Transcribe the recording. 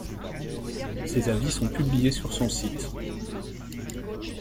Ses avis sont publiés sur son site.